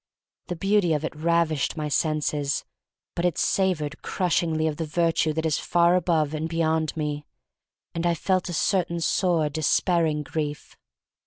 The beauty of it rav ished my senses, but it savored crush ingly of the virtue that is far above and beyond me, and I felt a certain sore, despairing grief.